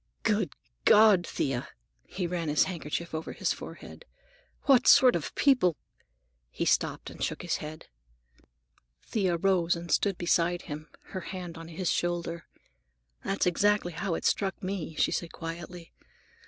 "Good God, Thea,"—He ran his handkerchief over his forehead. "What sort of people—" He stopped and shook his head. Thea rose and stood beside him, her hand on his shoulder. "That's exactly how it struck me," she said quietly.